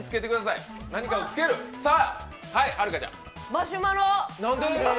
マシュマロ。